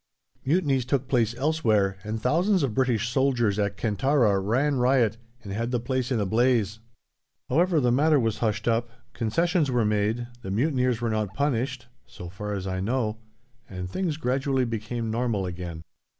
Mutinies took place elsewhere, and thousands of British soldiers at Kantara ran riot and had the place in a blaze. However, the matter was hushed up, concessions were made, the mutineers were not punished, so far as I know, and things gradually became normal again.